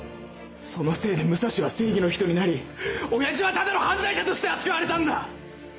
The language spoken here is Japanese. そのせいで武蔵は正義の人になり親父はただの犯罪者として扱われたんだ！